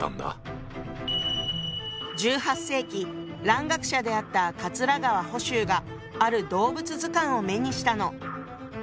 １８世紀蘭学者であった桂川甫周がある動物図鑑を目にしたの。